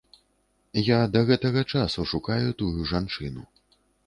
Я да гэтага часу шукаю тую жанчыну.